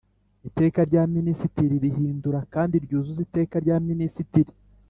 Iteka rya Minisitiri rihindura kandi ryuzuza Iteka rya Minisitiri